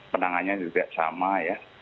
penangannya tidak sama ya